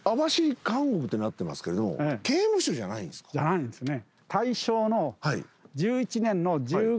じゃないんですね。